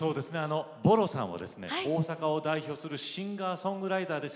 ＢＯＲＯさんは大阪を代表するシンガーソングライターです。